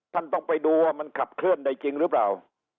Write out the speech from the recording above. ท่านต้องไปดูว่ามันขับเคลื่อนได้จริงหรือเปล่า